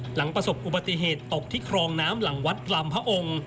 หลังประสบอุบัติเหตุตกที่ครองน้ำหลังวัดลำพระองค์